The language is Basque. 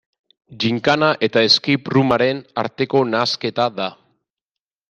Ginkana eta escape room-aren arteko nahasketa da.